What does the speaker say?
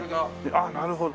ああなるほど。